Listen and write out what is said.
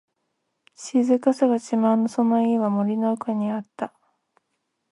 静かさが自慢のその家は、森の奥にあった。